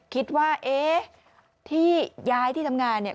คิดว่าเอ๊ะที่ย้ายที่ทำงานเนี่ย